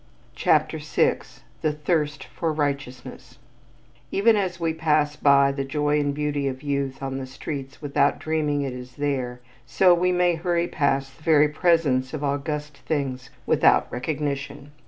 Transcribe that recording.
CHAPTER VI THE THIRST FOR RIGHTEOUSNESS Even as we pass by the joy and beauty of youth on the streets without dreaming it is there, so we may hurry past the very presence of august things without recognition.